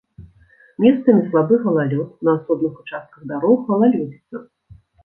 Месцамі слабы галалёд, на асобных участках дарог галалёдзіца.